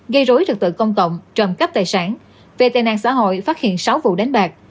gây rối trật tự công cộng trầm cắp tài sản về tên nạn xã hội phát hiện sáu vụ đánh bạc